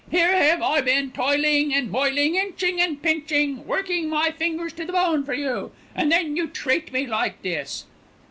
Here have I been toiling and moiling, inching and pinching, working my fingers to the bone for you, and then you treat me like this."